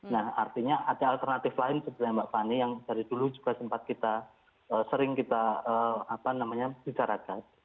nah artinya ada alternatif lain sebenarnya mbak fani yang dari dulu juga sempat kita sering kita bicarakan